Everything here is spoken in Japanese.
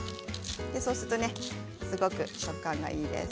そうすると食感がいいです。